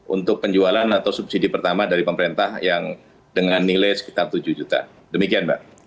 untuk penjualan atau subsidi pertama dari pemerintah yang dengan nilai sekitar tujuh juta demikian mbak